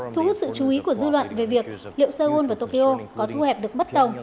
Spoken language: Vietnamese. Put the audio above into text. thu hút sự chú ý của dư luận về việc liệu seoul và tokyo có thu hẹp được bất đồng